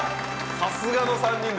さすがの３人です。